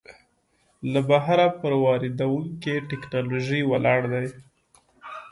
له بهره پر واردېدونکې ټکنالوژۍ ولاړ دی.